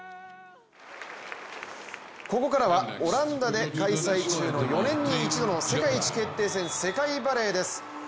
ここからはオランダで開催中の４年に一度の世界一決定戦世界バレーです。